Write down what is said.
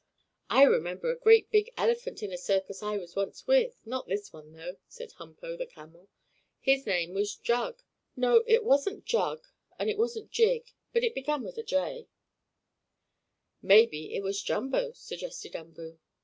"I remember a great big elephant in a circus I was once with not this one, though," said Humpo, the camel. "His name was Jug no it was not Jug, and it wasn't Jig, but it began with a J." "Maybe it was Jumbo," suggested Umboo.